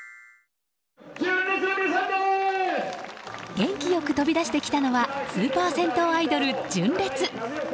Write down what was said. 元気良く飛び出してきたのはスーパー銭湯アイドル、純烈。